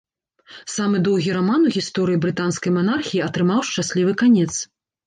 Самы доўгі раман у гісторыі брытанскай манархіі атрымаў шчаслівы канец.